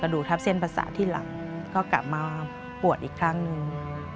ดูทับเส้นประสาทที่หลังก็กลับมาปวดอีกครั้งหนึ่ง